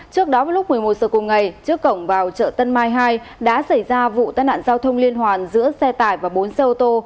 trước đó vào lúc một mươi một giờ cùng ngày trước cổng vào chợ tân mai hai đã xảy ra vụ tai nạn giao thông liên hoàn giữa xe tải và bốn xe ô tô